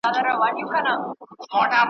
د ادم د رباب سور ته پایزېبونه شرنګومه `